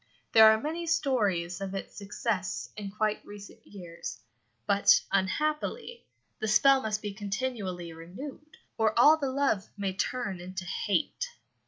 There are many stories of its success in quite recent years, but, unhappily, the spell must be continually renewed, or all the love may turn into hate.